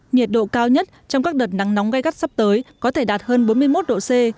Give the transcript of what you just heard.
nhiệt độ cao nhất trong các đợt nắng nóng gai gắt sắp tới có thể đạt hơn bốn mươi một độ c